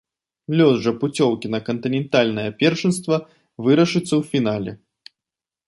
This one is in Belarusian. Лёс жа пуцёўкі на кантынентальнае першынства вырашыцца ў фінале.